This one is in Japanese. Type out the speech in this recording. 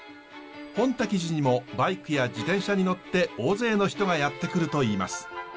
本瀧寺にもバイクや自転車に乗って大勢の人がやって来るといいます。